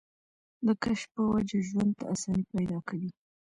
د کشف پۀ وجه ژوند ته اسانۍ پېدا کوي